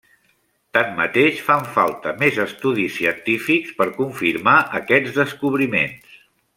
Tanmateix, fan falta més estudis científics per confirmar aquests descobriments.